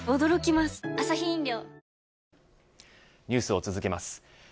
ニュースを続けます。